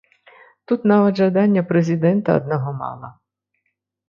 Тут нават жадання прэзідэнта аднаго мала.